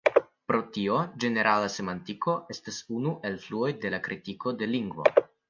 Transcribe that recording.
Pro tio ĝenerala semantiko estas unu el fluoj de la kritiko de lingvo.